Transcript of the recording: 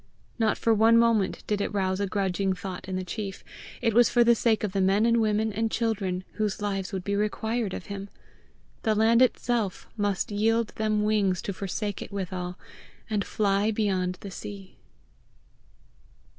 Not for one moment did it rouse a grudging thought in the chief: it was for the sake of the men and women and children whose lives would be required of him! The land itself must yield, them wings to forsake it withal, and fly beyond the sea!